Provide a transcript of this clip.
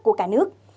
của cả nước